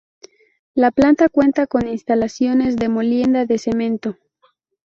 La planta cuenta con instalaciones de molienda de cemento.